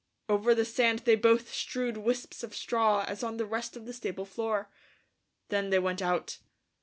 Over the sand they both strewed wisps of straw as on the rest of the stable floor. Then they went out.